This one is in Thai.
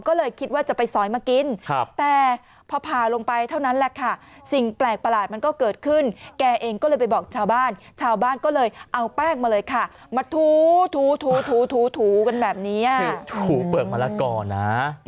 ถูกกันแบบนี้ถูกเปลือกมะละก่อน้า